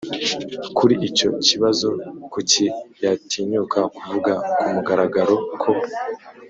kuri icyo kibazo kuki yatinyuka kuvuga ku mugaragaro ko